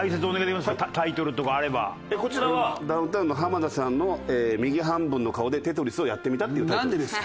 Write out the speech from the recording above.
こちらは『ダウンタウンの浜田さんの右半分の顔で“テトリス”をやってみた』っていうタイトルです。